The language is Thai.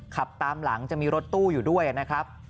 ขับตามหลังจะมีรถตู้อยู่ด้วยนะครับ